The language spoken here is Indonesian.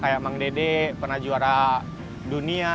kayak bang dede pernah juara dunia